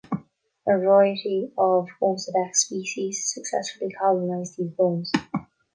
A variety of "Osedax" species successfully colonized these bones.